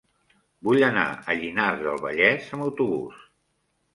Vull anar a Llinars del Vallès amb autobús.